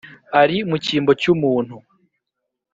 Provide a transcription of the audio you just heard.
Ari mu cyimbo cy’umuntu